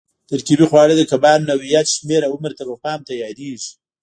ترکیبي خواړه د کبانو نوعیت، شمېر او عمر ته په پام تیارېږي.